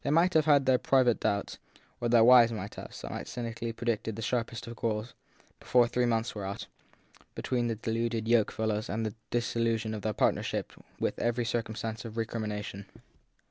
They might have had their private doubts or their wives might have; might cynically have predicted the sharpest of quarrels, before three months were out, between the deluded yoke fellows, and the dissolution of the partner ship with every circumstance of recrimination.